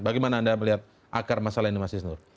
bagaimana anda melihat akar masalah ini mas isnur